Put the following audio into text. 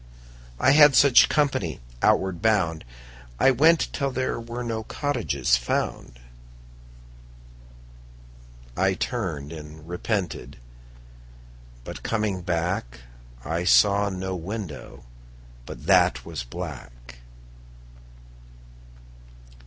I had such company outward bound. I went till there were no cottages found. I turned and repented, but coming back I saw no window but that was black.